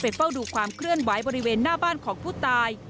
เฝ้าดูความเคลื่อนไหวบริเวณหน้าบ้านของผู้ตาย